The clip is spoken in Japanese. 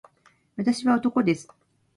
私は男です